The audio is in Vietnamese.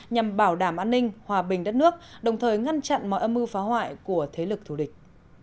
nhằm bảo đảm an ninh hòa bình đất nước đồng thời ngăn chặn mọi âm mưu phá hoại của thế lực thù địch